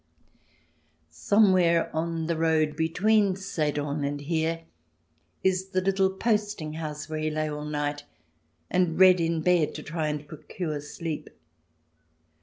Somewhere on the road between Sedan and here is the little posting house where he lay all night, and read in bed to try and procure sleep.